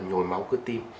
nhồi máu cơ tim